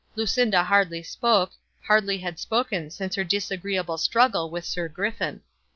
Lucinda hardly spoke, hardly had spoken since her disagreeable struggle with Sir Griffin.